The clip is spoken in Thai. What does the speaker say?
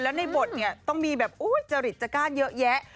แล้วในบทเนี่ยต้องมีแบบจริตจก้านเยอะแยะ